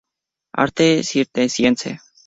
Arte cisterciense